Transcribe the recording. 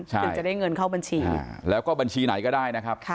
ซึ่งจะได้เงินเข้าบัญชีแล้วก็บัญชีไหนก็ได้นะครับ